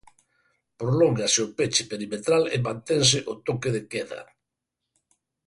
Prolóngase o peche perimetral e mantense o toque de queda.